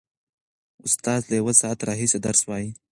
استاد له یوه ساعت راهیسې درس وايي.